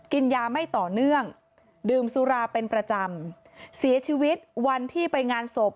กินยาไม่ต่อเนื่องดื่มสุราเป็นประจำเสียชีวิตวันที่ไปงานศพ